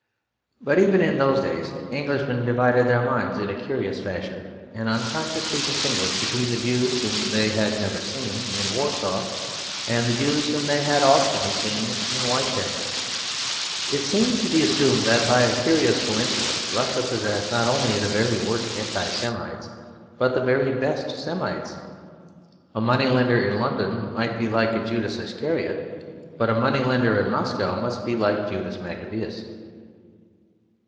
But even in those days Englishmen divided their minds in a curious fashion; and unconsciously distinguished between the Jews whom they had never seen, in Warsaw, and the Jews whom they had often seen in Whitechapel. It seemed to be assumed that, by a curious coincidence, Russia possessed not only the very worst Anti Semites but the very best Semites. A moneylender in London might be like Judas Iscariot; but a moneylender in Moscow must be like Judas Maccabaeus.